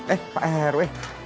eh pak ero